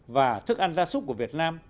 và thức ăn gia súc của việt nam